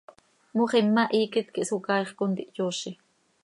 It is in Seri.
Moxima hiiquet quih Socaaix contihyoozi.